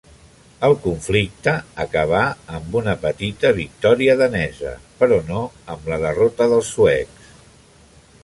El conflicte acabà amb una petita victòria danesa, però no amb la derrota dels suecs.